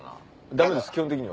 ダメです基本的には。